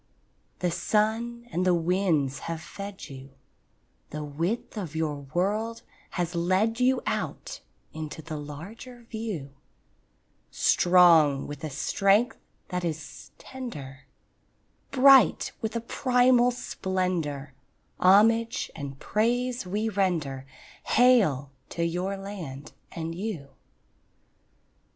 The sun and the winds have fed you; The width of your world has led you Out into the larger view; Strong with a strength that is tender, Bright with a primal splendour, Homage and praise we render— Hail to your land and you!